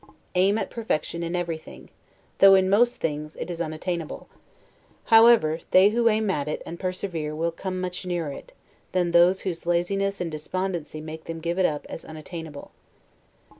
Aim at perfection in everything, though in most things it is unattainable; however, they who aim at it, and persevere, will come much nearer it, than those whose laziness and despondency make them give it up as unattainable.